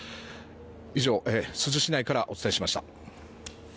以上、珠洲市内からお伝えしました。